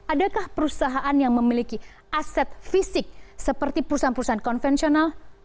adakah perusahaan yang memiliki aset fisik seperti perusahaan perusahaan konvensional